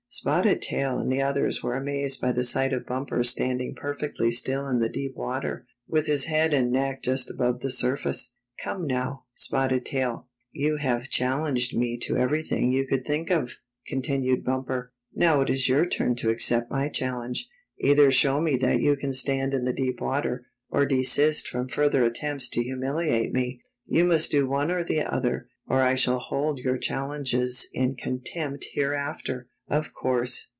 Spotted Tail and the others were amazed by the sight of Bumper standing perfectly still in the deep water, with his head and neck just above the surface. " Come now. Spotted Tail, you have chal lenged me to everything you could think of," con tinued Bumper, " Now it is your turn to accept my challenge. Either show me that you can stand in the deep water, or desist from further attempts to humiliate me. You must do one or the other, or I shall hold your challenges in con tempt hereafter." Of course.